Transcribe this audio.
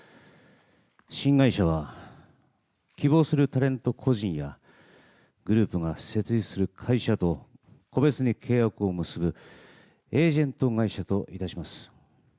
新会社は希望するタレント個人やグループが設立する会社と個別に契約を結ぶエージェント会社といたします。